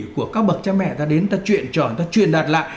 của các bậc cha mẹ ta đến ta truyền trò ta truyền đặt lại